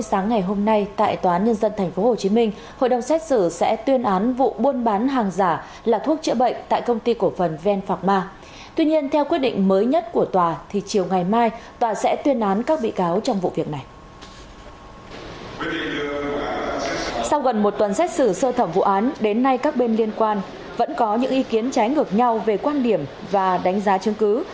sau gần một tuần xét xử sơ thẩm vụ án đến nay các bên liên quan vẫn có những ý kiến trái ngược nhau về quan điểm và đánh giá chứng cứ